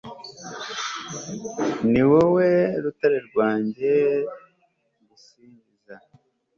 ni wowe rutare rwanjye [gusingiza